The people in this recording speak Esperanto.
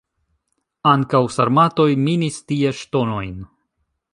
Ankaŭ sarmatoj minis tie ŝtonojn.